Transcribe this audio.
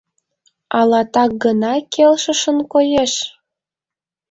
Ала так гына келшышын коеш.